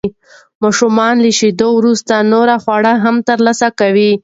ماشومان له شیدو وروسته نور خواړه هم ترلاسه کوي.